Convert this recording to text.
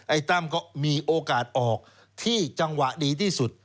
ตั้มก็มีโอกาสออกที่จังหวะดีที่สุด